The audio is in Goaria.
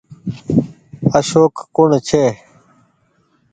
اشوڪ ڪوڻ ڇي۔